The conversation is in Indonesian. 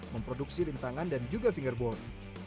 memproduksi rintangan dan juga fingerboard